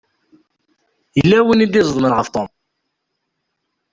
Yella win i d-iẓeḍmen ɣef Tom.